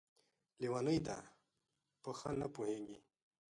لېونۍ ده ، په ښه نه پوهېږي!